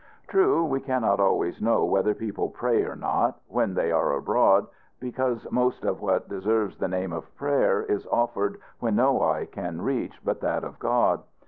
True, we cannot always know whether people pray or not, when they are abroad, because most of what deserves the name of prayer is offered where no eye can reach but that of God.